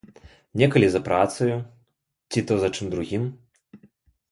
Некалі за працаю ці то за чым другім.